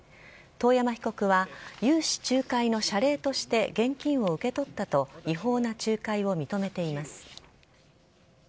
遠山被告は、融資仲介の謝礼として現金を受け取ったと、違法な仲介を認めています。